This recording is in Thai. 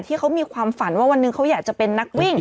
ที่เขามีความฝันว่าวันหนึ่งเขาอยากจะเป็นนักวิ่ง